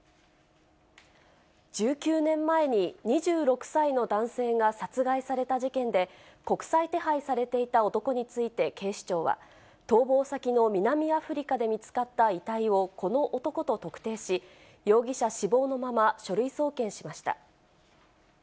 １９年前に、２６歳の男性が殺害された事件で、国際手配されていた男について警視庁は、逃亡先の南アフリカで見つかった遺体をこの男と特定し、容疑者死亡のまま、書類送検しました。